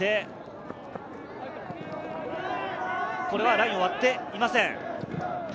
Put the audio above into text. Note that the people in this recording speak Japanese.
ラインを割っていません。